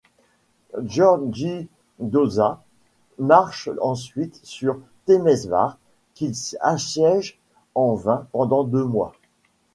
György Dózsa marche ensuite sur Temesvár qu’il assiège en vain pendant deux mois.